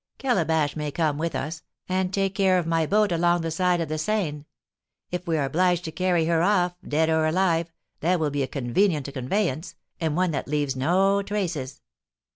Calabash may come with us, and take care of my boat along the side of the Seine. If we are obliged to carry her off, dead or alive, that will be a convenient conveyance, and one that leaves no traces.